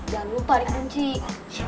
jangan lupa rekening cik